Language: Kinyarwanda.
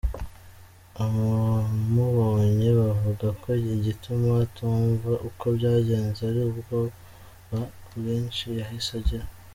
Abamubonye bavuga ko igituma atumva uko byagenze ari ubwoba bwinshi yahise agira.